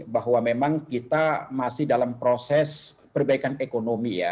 bahwa memang kita masih dalam proses perbaikan ekonomi ya